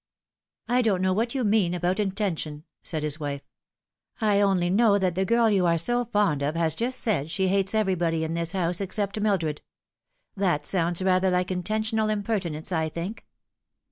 " I don't know what you mean about intention," said his wife ;" I only know that the girl you are so fond of has just eaid she hates everybody in this house except Mildred. That sounds rather like intentional impertinence, I think."